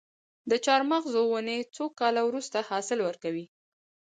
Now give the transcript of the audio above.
د چهارمغز ونې څو کاله وروسته حاصل ورکوي؟